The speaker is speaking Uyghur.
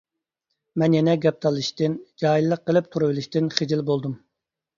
مەن يەنە گەپ تالىشىشتىن، جاھىللىق قىلىپ تۇرۇۋېلىشتىن خىجىل بولدۇم.